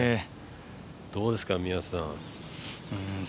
どうですか、宮瀬さん。